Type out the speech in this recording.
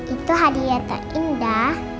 itu hadiah terindah